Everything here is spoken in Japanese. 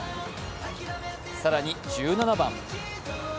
更に１７番。